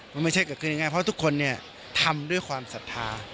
มันไม่ใช่เกิดขึ้นอย่างง่ายเพราะว่าทุกคนทำด้วยความศรัทธา